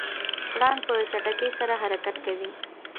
پړانګ په چټکۍ سره حرکت کوي.